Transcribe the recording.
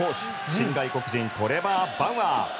新外国人トレバー・バウアー。